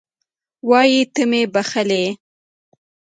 وایي ته مې یې بښلی